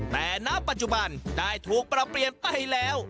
แต่ณปัจจุบันได้ถูกปรับเปลี่ยนไปแล้ว